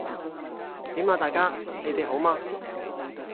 點啊大家，你哋好嗎？